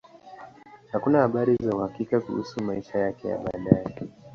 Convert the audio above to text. Hakuna habari za uhakika kuhusu maisha yake ya baadaye.